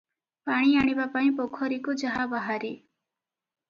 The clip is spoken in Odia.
ପାଣି ଆଣିବା ପାଇଁ ପୋଖରୀକୁ ଯାହା ବାହାରେ ।